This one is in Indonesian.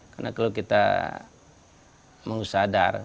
karena kalau kita mengusadar